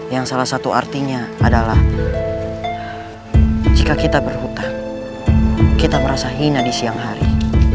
yang salah satu artinya adalah jika kita berhutang kita merasa hina di siang hari